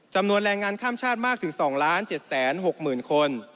จำนวนแรงงานข้ามชาติมากถึง๒๗๖๐๐๐คน